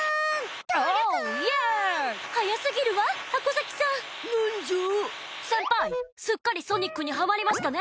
先輩すっかりソニックにハマりましたね？